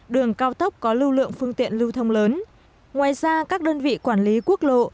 đường cao tốc có lưu lượng phương tiện lưu thông lớn ngoài ra các đơn vị quản lý quốc lộ